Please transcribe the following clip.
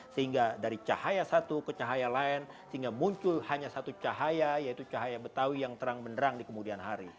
sehingga dari cahaya satu ke cahaya lain sehingga muncul hanya satu cahaya yaitu cahaya betawi yang terang benderang di kemudian hari